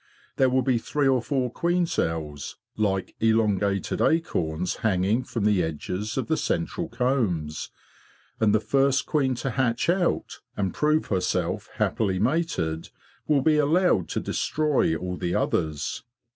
There will be three or four queen cells like elongated acorns hanging from the edges of the central combs; and the first queen to hatch out, and prove herself happily mated, will be allowed to destroy all the others.